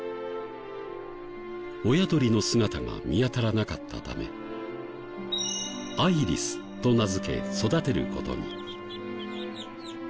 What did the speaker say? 親鳥の姿が見当たらなかったためアイリスと名付け育てる事に。